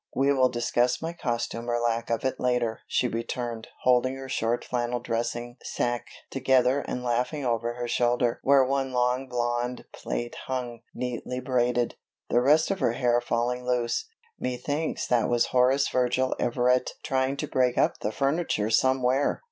"We will discuss my costume or lack of it later," she returned, holding her short flannel dressing sacque together and laughing over her shoulder where one long blond plait hung neatly braided, the rest of her hair falling loose. "Methinks that was Horace Virgil Everett trying to break up the furniture somewhere!